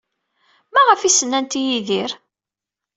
Maɣef ay as-nnant i Yidir?